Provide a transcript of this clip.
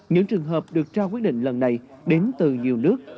những trường hợp được trao quyết định lần này đến từ nhiều nước